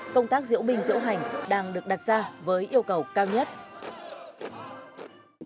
công tác diễu binh diễu hành đang được đặt ra với yêu cầu cao nhất